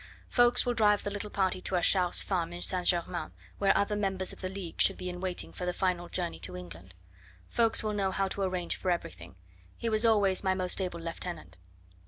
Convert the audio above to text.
Ffoulkes will drive the little party to Achard's farm in St. Germain, where other members of the League should be in waiting for the final journey to England. Ffoulkes will know how to arrange for everything; he was always my most able lieutenant.